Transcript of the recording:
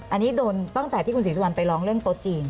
อันนี้โดนตั้งแต่ที่คุณศรีสุวรรณไปร้องเรื่องโต๊ะจีน